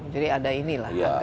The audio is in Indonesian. jadi ada inilah